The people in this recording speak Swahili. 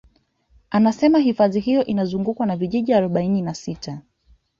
Anasema hifadhi hiyo inazungukwa na vijiji arobaini na sita